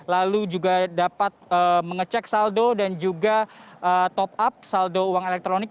lalu juga dapat mengecek saldo dan juga top up saldo uang elektronik